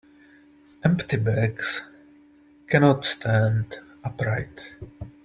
Empty bags cannot stand upright.